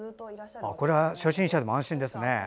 これは初心者でも安心ですね。